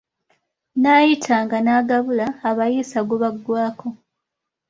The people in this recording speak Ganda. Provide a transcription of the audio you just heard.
Nnaayitanga n’agabula, abayiisa gubaggwako.